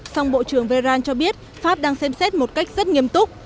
song bộ trưởng véran cho biết pháp đang xem xét một cách rất nghiêm túc